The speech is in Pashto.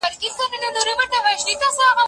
بوټونه پاک کړه!؟